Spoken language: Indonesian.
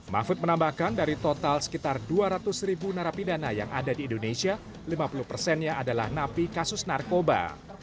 mahfud menambahkan dari total sekitar dua ratus ribu narapidana yang ada di indonesia lima puluh persennya adalah napi kasus narkoba